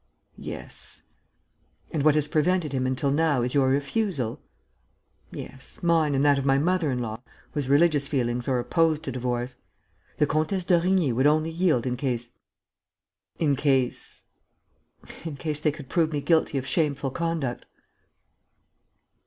"Yes." "And what has prevented him until now is your refusal?" "Yes, mine and that of my mother in law, whose religious feelings are opposed to divorce. The Comtesse d'Origny would only yield in case ..." "In case ...?" "In case they could prove me guilty of shameful conduct."